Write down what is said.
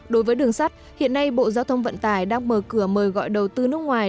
đối với đường sắt hiện nay bộ giao thông vận tải đang mở cửa mời gọi đầu tư nước ngoài